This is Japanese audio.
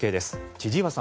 千々岩さん